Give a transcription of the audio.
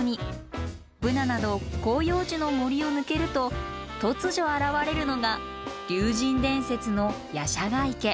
ブナなど広葉樹の森を抜けると突如現れるのが竜神伝説の夜叉ヶ池。